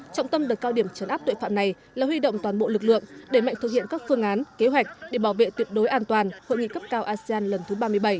trọng tâm đợt cao điểm chấn áp tội phạm này là huy động toàn bộ lực lượng để mạnh thực hiện các phương án kế hoạch để bảo vệ tuyệt đối an toàn hội nghị cấp cao asean lần thứ ba mươi bảy